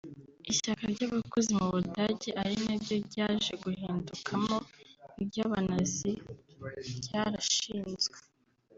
Ishyaka ry’abakozi mu Budage ari naryo ryaje guhindukamo iry’abanazi ryarashinzwe